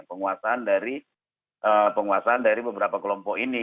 penguasaan dari beberapa kelompok ini